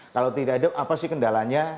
kalau tidak hidup apa sih kendalanya